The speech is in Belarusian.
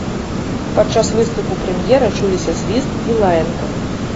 Падчас выступу прэм'ера чуліся свіст і лаянка.